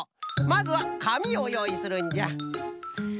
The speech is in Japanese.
まずはかみをよういするんじゃ。